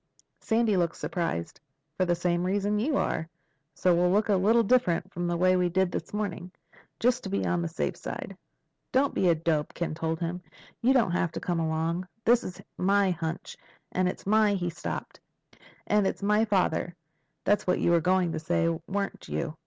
Sandy looked surprised. "For the same reason you are. So we'll look a little different from the way we did this morning—just to be on the safe side." "Don't be a dope," Ken told him. "You don't have to come along. This is my hunch. And it's my—" He stopped. "'And it's my father.' That's what you were going to say. Weren't you?"